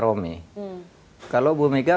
rome kalau bu miga